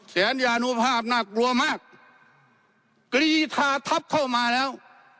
แสนยานุภาพน่ากลัวมากใหญ่ทาทัพเข้ามาแล้ว